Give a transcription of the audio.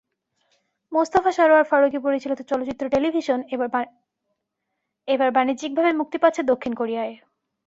মোস্তফা সরয়ার ফারুকী পরিচালিত চলচ্চিত্র টেলিভিশন এবার বাণিজ্যিকভাবে মুক্তি পাচ্ছে দক্ষিণ কোরিয়ায়।